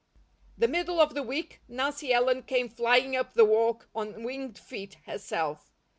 The middle of the week Nancy Ellen came flying up the walk on winged feet, herself.